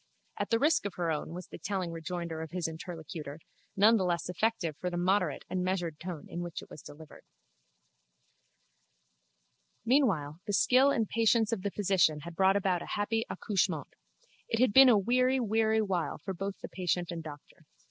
At the risk of her own, was the telling rejoinder of his interlocutor, none the less effective for the moderate and measured tone in which it was delivered. Meanwhile the skill and patience of the physician had brought about a happy accouchement. It had been a weary weary while both for patient and doctor.